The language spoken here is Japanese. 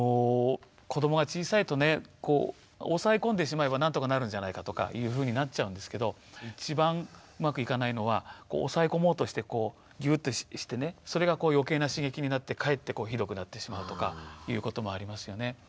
子どもが小さいとね抑え込んでしまえばなんとかなるんじゃないかとかいうふうになっちゃうんですけど一番うまくいかないのは抑え込もうとしてギューッとしてねそれが余計な刺激になってかえってひどくなってしまうとかいうこともありますよね。